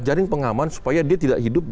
jaring pengaman supaya dia tidak hidup